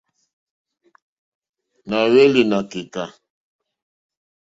Na hweli na keka.